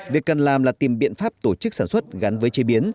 việc cần làm là tìm biện pháp tổ chức sản xuất gắn với chế biến